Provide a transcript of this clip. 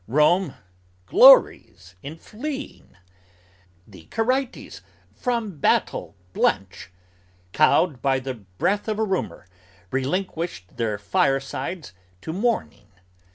Rome glories in fleeing! The Quirites from battle blench! Cowed by the breath of a rumor Relinquished their firesides to mourning!